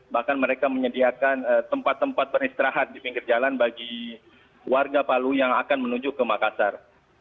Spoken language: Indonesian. bahkan mereka menyediakan tempat tempat beristirahat di pinggir jalan bagi warga palu yang akan menuju ke makassar